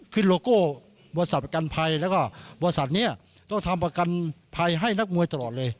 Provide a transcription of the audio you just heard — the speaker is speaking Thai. โลโก้บริษัทประกันภัยแล้วก็บริษัทนี้ต้องทำประกันภัยให้นักมวยตลอดเลย